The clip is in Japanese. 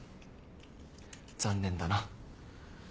残念だな。